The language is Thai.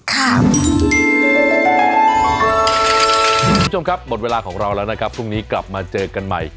คุณผู้ชมครับหมดเวลาของเราแล้วนะครับพรุ่งนี้กลับมาเจอกันใหม่